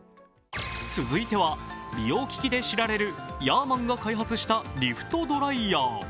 続いては美容機器で知られるヤーマンが開発したリフトドライヤー。